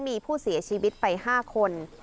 มีผู้เสียชีวิตไป๕คน